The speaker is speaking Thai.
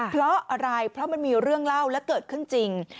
เพราะอะไรเพราะมันมีเรื่องเล่าและเกิดขึ้นจริง